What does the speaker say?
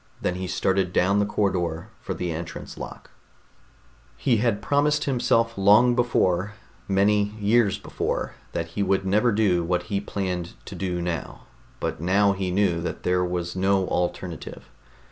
Then he started down the corridor for the entrance lock. He had promised himself long before ... many years before ... that he would never do what he planned to do now, but now he knew that there was no alternative.